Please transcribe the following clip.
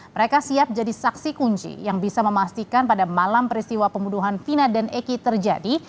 mereka siap jadi saksi kunci yang bisa memastikan pada malam peristiwa pembunuhan vina dan eki terjadi